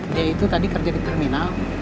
dia itu tadi kerja di terminal